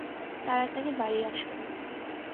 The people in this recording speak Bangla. তাড়াতাড়ি বাড়ি আসুন।